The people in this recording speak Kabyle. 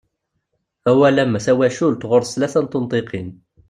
Awal am "tawacult" ɣuṛ-s tlata n tunṭiqin.